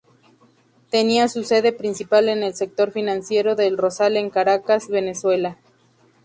Tenía su sede principal en el sector financiero de El Rosal en Caracas, Venezuela.